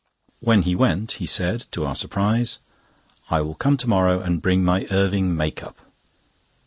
When he went, he said, to our surprise: "I will come to morrow and bring my Irving make up."